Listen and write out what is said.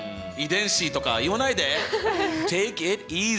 遺伝子とか言わないで。